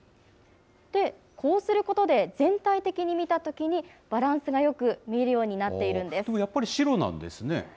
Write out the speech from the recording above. で、こうすることで全体的に見たときに、バランスがよく見えるようになっているんです。